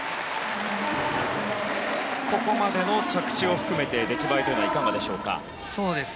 ここまでの着地を含めて出来栄えというのはいかがでしょうか。